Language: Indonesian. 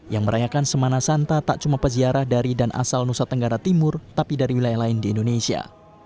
yang merayakan semana santa tak cuma peziarah dari dan asal nusa tenggara timur tapi dari wilayah lain di indonesia